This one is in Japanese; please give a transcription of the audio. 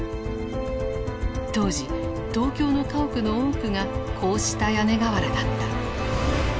当時東京の家屋の多くがこうした屋根瓦だった。